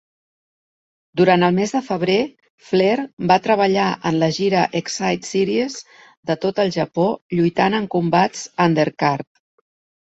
Durant el mes de febrer, Flair va treballar en la gira "Excite Series" de tot el Japó, lluitant en combats 'undercard'.